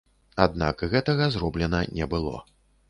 Аднак гэтага зроблена не было.